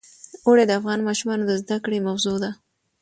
اوړي د افغان ماشومانو د زده کړې موضوع ده.